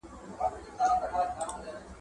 o ازمويلی څوک نه ازمايي.